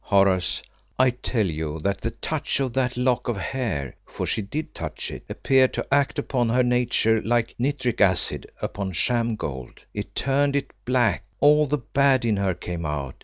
"Horace, I tell you that the touch of that lock of hair for she did touch it appeared to act upon her nature like nitric acid upon sham gold. It turned it black; all the bad in her came out.